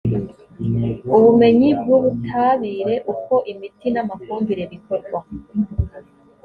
ubumenyi bw’ubutabire uko imiti n’amafumbire bikorwa